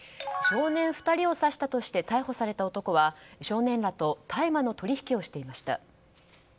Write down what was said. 少年２人を刺したとして逮捕された男は少年らと大麻の取引をしていました。